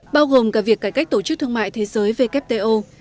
bao gồm cả việc cải cách tổ chức thương mại thế giới wto